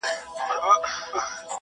خلک خپل ژوند ته ځي,